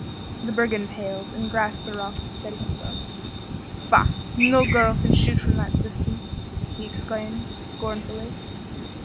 The brigand paled, and grasped the rock to steady himself. "Bah! No girl can shoot from that distance," he exclaimed, scornfully.